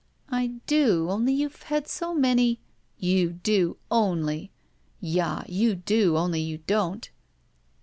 "I do, only you've had so many —" "You do — only! Yah, you do, only you don't!"